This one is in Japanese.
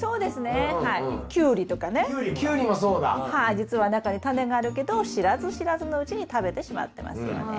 じつは中にタネがあるけど知らず知らずのうちに食べてしまってますよね。